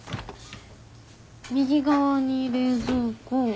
右側に冷蔵庫。